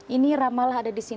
ini ramallah ada di sini